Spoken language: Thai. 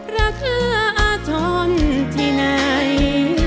รักษาอาจรรย์ที่ไหน